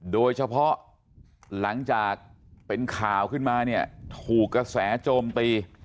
โดยเฉพาะหลังจากเป็นข่าวขึ้นมาเนี่ยถูกกระแสโจมตี